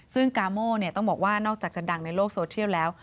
ซึ่งกาโม่ต้องบอกว่านอกจากจะดังในโลกโซเทียลแล้ว